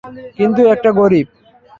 কিন্তু একটা গরীব?